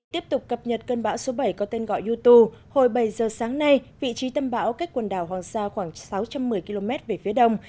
tiếp tục cập nhật cơn bão số bảy có tên gọi yutu hồi bảy giờ sáng nay vị trí tâm bão cách quần đảo hoàng sa khoảng sáu trăm một mươi km về phía đông